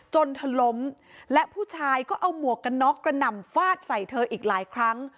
จนเธอล้มและผู้ชายก็เอาหมวกกันน็อกกระหน่ำฟาดใส่เธออีกหลายครั้ง